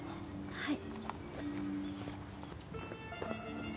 はい。